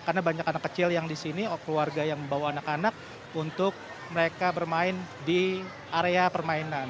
karena banyak anak kecil yang di sini keluarga yang membawa anak anak untuk mereka bermain di area permainan